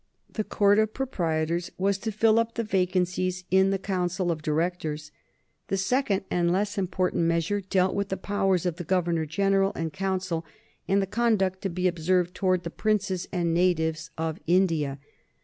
The Court of Proprietors was to fill up the vacancies in the council of directors. The second and less important measure dealt with the powers of the Governor General and Council and the conduct to be observed towards the princes and natives of India.